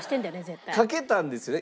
かけたんですよね